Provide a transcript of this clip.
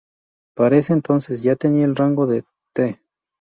Para ese entonces ya tenía el rango de Tte.